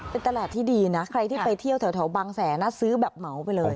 เป็นตลาดที่ดีนะใครที่ไปเที่ยวแถวบางแสนนะซื้อแบบเหมาไปเลย